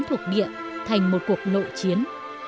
thuộc địa thành một cuộc nộ chiến